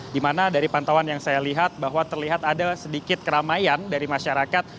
di mana dari pantauan yang saya lihat bahwa terlihat ada sedikit keramaian dari masyarakat